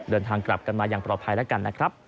เดินทางกลับกันมาอย่างปลอดภัยแล้วกันนะครับ